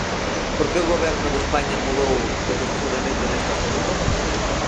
¿Por que o Goberno de España mudou de posicionamento neste asunto?